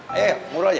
ayo yuk nguruh aja